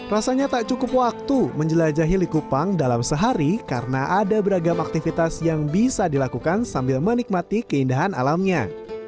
rasanya tak cukup waktu menjelajahi likupang dalam sehari karena ada beragam aktivitas yang bisa dilakukan sambil menikmati keindahan alamnya